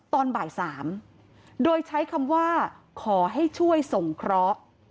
ตอนบ่าย๓โดยใช้คำว่าขอให้ช่วยส่งเคราะห์